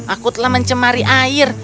aku telah mencemari air